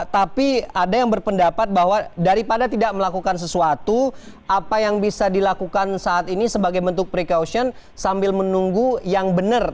tapi ada yang berpendapat bahwa daripada tidak melakukan sesuatu apa yang bisa dilakukan saat ini sebagai bentuk precaution sambil menunggu yang benar